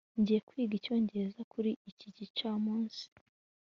ngiye kwiga icyongereza kuri iki gicamunsi